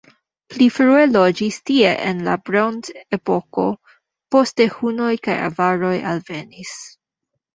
Pli frue loĝis tie en la bronzepoko, poste hunoj kaj avaroj alvenis.